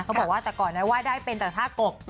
เขาบอกว่าแต่ก่อนนะไหว้ได้เป็นแต่ท่ากบ